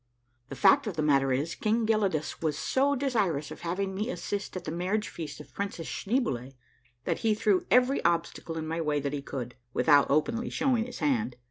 The fact of the matter is King Gelidus w'as so desirous of having me assist at the marriage feast of Princess Schneeboule, that he threw every obstacle in my way that he could, without openly showing his hand.